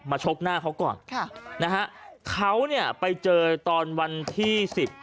ชกหน้าเขาก่อนค่ะนะฮะเขาเนี่ยไปเจอตอนวันที่สิบ